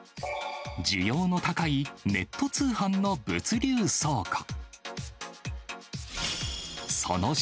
需要の高いネット通販の物流倉庫。